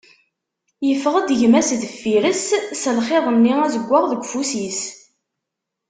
Iffeɣ-d gma-s deffir-s, s lxiḍ-nni azeggaɣ deg ufus-is.